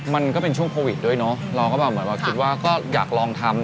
มันก็เป็นช่วงโควิดด้วยเนอะเราก็แบบเหมือนว่าคิดว่าก็อยากลองทำ